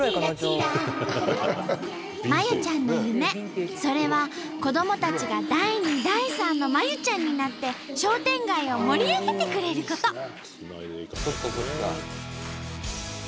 まゆちゃんの夢それは子どもたちが第２第３のまゆちゃんになって商店街を盛り上げてくれること。